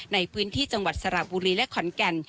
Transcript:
ในพื้นที่จังหวัดสระบุรีและขอนแก่น